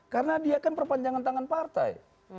karena dia kan perpanjangan tangan partai